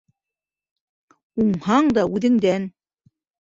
Уңһаң да үҙеңдән